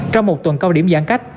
trong một tuần cao điểm giãn cách